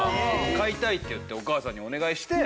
飼いたいって言ってお母さんにお願いして。